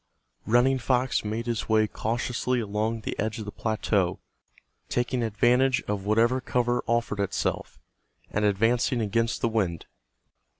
Running Fox made his way cautiously along the edge of the plateau, taking advantage of whatever cover offered itself, and advancing against the wind.